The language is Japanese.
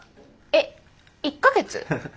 えっ１か月？